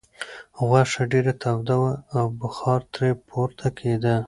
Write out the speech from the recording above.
غوښه ډېره توده وه او بخار ترې پورته کېده.